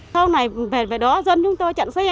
sau này về đó dân chúng tôi chặn xe